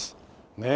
ねえ。